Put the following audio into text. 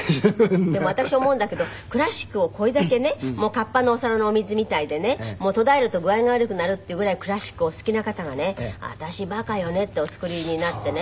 でも私思うんだけどクラシックをこれだけねカッパのお皿のお水みたいでね途絶えると具合が悪くなるっていうぐらいクラシックお好きな方がね「私バカよね」ってお作りになってね。